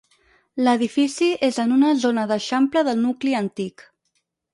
L'edifici és en una zona d'eixample del nucli antic.